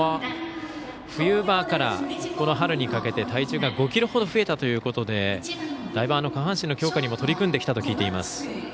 冬場から春にかけて体重が５ｋｇほど増えたということでだいぶ下半身の強化にも取り組んできたと聞いています。